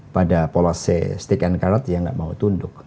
pada pola c stick and carrot dia nggak mau tunduk